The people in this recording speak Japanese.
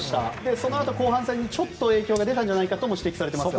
そのあと後半戦にちょっと影響が出たんじゃないかとも指摘されていますが。